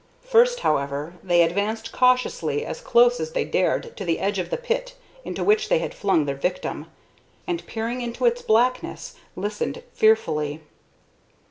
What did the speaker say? First, however, they advanced cautiously as close as they dared to the edge of the pit into which they had flung their victim, and, peering into its blackness, listened fearfully.